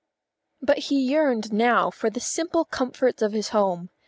But he yearned now for the simple comforts of his home.